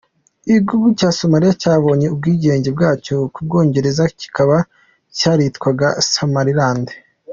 Igihugu cya Somalia cyabonye ubwigenge bwacyo ku Bwongereza, kikaba cyaritwaga Somaliland.